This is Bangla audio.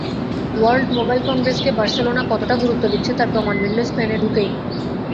ওয়ার্ল্ড মোবাইল কংগ্রেসকে বার্সেলোনা কতটা গুরুত্ব দিচ্ছে, তার প্রমাণ মিলল স্পেনে ঢুকেই।